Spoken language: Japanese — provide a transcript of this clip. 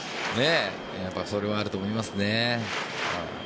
それはあると思いますね。